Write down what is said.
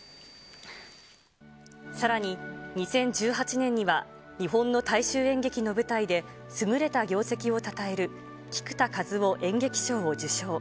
さらに２０１８年には、日本の大衆演劇の舞台で優れた業績をたたえる菊田一夫演劇賞を受賞。